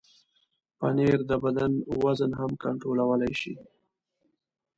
پنېر د بدن وزن هم کنټرولولی شي.